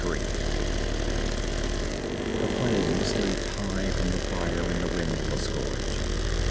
III The flames leaped high from the fire in the windless gorge.